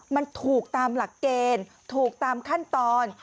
มันถูกตามหลักเกณฑ์ถูกตามขั้นตอน